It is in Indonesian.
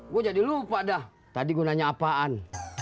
gue jadi lupa dah tadi gue nanya apaan